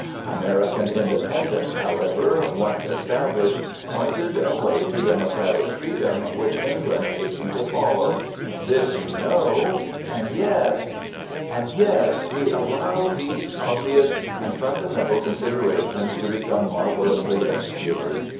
American independence, however, once established, pointed a way to democratic freedom which England hastened to follow. This we know. And yet And yet we allow these obvious and fundamental considerations to become marvelously obscured.